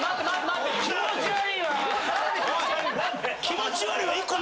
「気持ち悪い」は。